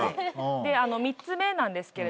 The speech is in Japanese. ３つ目なんですけれども。